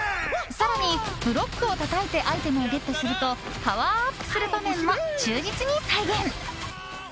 更に、ブロックをたたいてアイテムをゲットするとパワーアップする場面も忠実に再現。